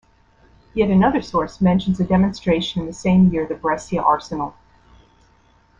Yet another source mentions a demonstration in the same year the Brescia Arsenal.